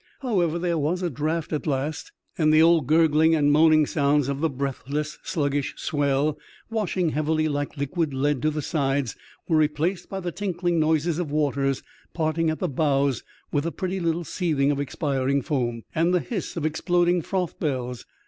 However, here was a draught at last, and the old gurgling and moaning sounds of the breathless, sluggish swell washing heavily like liquid lead to the sides, were replaced by the tink ling noises of waters parting at the bows with a pretty little seething of expiring foam, and the hiss of exploding froth bells.